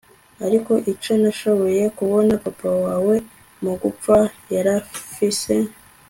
ariko ico nashoboye kubona Papa wawe mugupfa yarafise